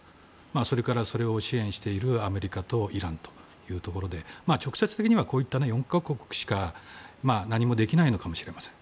それから、それを支援しているアメリカとイランというところで直接的にはこういった４か国しか何もできないのかもしれません。